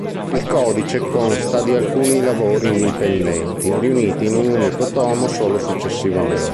Il codice consta di alcuni lavori indipendenti riuniti in un unico tomo solo successivamente.